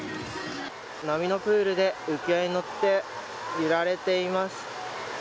波のプールで浮輪に乗って揺られています。